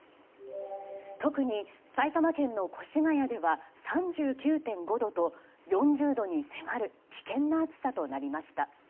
特に埼玉県の越谷では３９．５度と４０度に迫る危険な暑さとなりました。